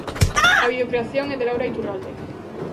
A videocreación é de Laura Iturralde.